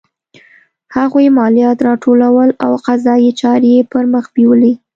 هغوی مالیات راټولول او قضایي چارې یې پرمخ بیولې.